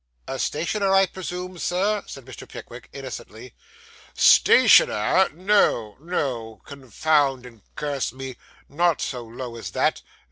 'A stationer, I presume, Sir?' said Mr. Pickwick innocently. 'Stationer! No, no; confound and curse me! Not so low as that.